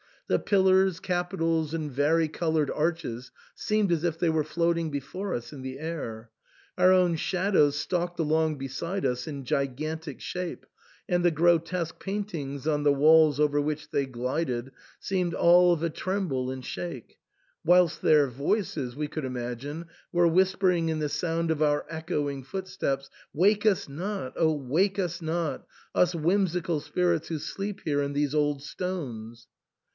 The pillars, capitals, and vari coloured arches seemed as if they were floating before us in the air ; our own shadows stalked along beside us in gigantic shape, and the grotesque paint ings on the walls over which they glided seemed all of a tremble and shake ; whilst their voices, we could imagine, were whispering in the sound of our echoing footsteps, " Wake us not, oh ! wake us not — us whim sical spirits who sleep here in these old stones."